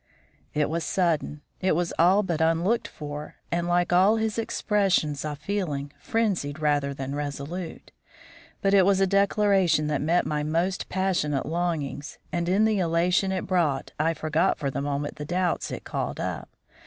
It was sudden, it was all but unlooked for, and like all his expressions of feeling, frenzied rather than resolute. But it was a declaration that met my most passionate longings, and in the elation it brought I forgot for the moment the doubts it called up.